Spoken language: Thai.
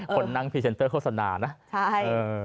คนนั่งพรีเซ็นเตอร์โฆษณานะ